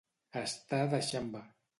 Estar de xamba.